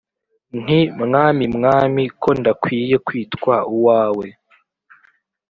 nti mwami mwami ko ndakwiye kwitwa uwawe